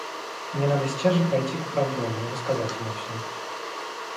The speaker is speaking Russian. Мне надо сейчас же пройти к управдому и рассказать ему все.